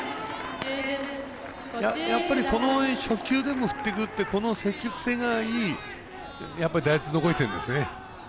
やっぱり、この初球でも振っていくってこの積極性がいい打率を残してるんですね。